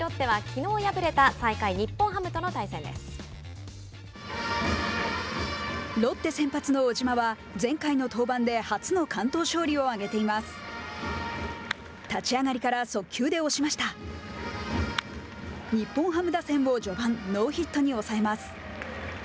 日本ハム打線を序盤、ノーヒットに抑えます。